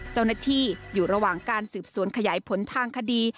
เจ้าหน้าที่อยู่ระหว่างการสืบสวนขยายผลทางคดี